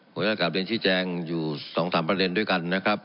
ก็จะกลับเรียนชี้แจงอยู่๒๓ประเด็นด้วยกันนะครับ